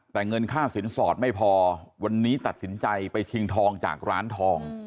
แต่เงินค่าสินสอดไม่พอวันนี้ตัดสินใจไปชิงทองจากร้านทอง